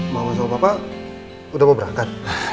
mama sama papa udah mau berangkat